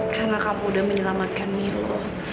karena kamu udah menyelamatkan milo